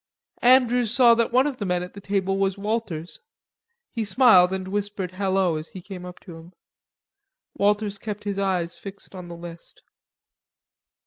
Andrews saw that one of the men at the table was Walters; he smiled and whispered "Hello" as he came up to him. Walters kept his eyes fixed on the list.